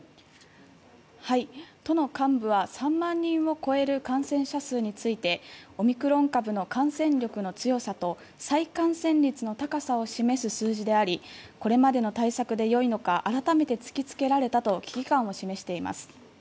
都の幹部は３万人を超える感染者数についてオミクロン株の感染力の強さと再感染率の高さを示す数字でありこれまでの対策でよいのか改めて突きつけられたと危機感を示しています。